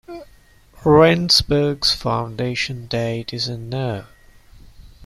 Rendsburg's foundation date is unknown.